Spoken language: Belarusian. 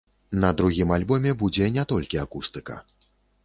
На другім альбоме будзе не толькі акустыка.